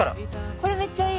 これめっちゃいい！